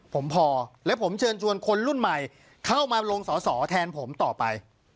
ผมพอและผมเชิญชวนคนรุ่นใหม่เข้ามาลงสอสอแทนผมต่อไป